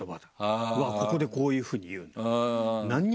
「うわっここでこういうふうに言うんだ」。